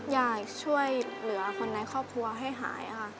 อยากช่วยเหลือคนในครอบครัวให้หายค่ะ